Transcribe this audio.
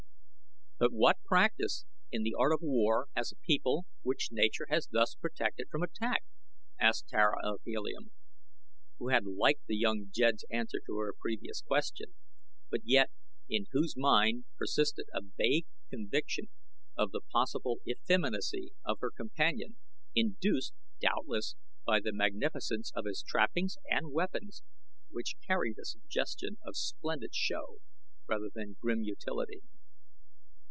"But what practice in the art of war has a people which nature has thus protected from attack?" asked Tara of Helium, who had liked the young jed's answer to her previous question, but yet in whose mind persisted a vague conviction of the possible effeminacy of her companion, induced, doubtless, by the magnificence of his trappings and weapons which carried a suggestion of splendid show rather than grim utility.